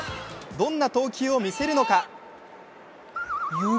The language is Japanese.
どんな投球を見せるのか。